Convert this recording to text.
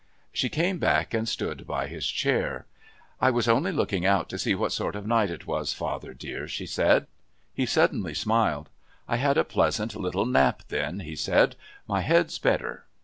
She came back and stood by his chair. "I was only looking out to see what sort of a night it was, father dear," she said. He suddenly smiled. "I had a pleasant little nap then," he said; "my head's better.